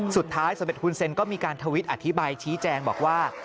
สมเด็จฮุนเซ็นก็มีการทวิตอธิบายชี้แจงบอกว่า